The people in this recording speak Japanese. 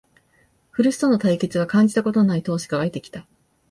古巣との対決は感じたことのない闘志がわいてきた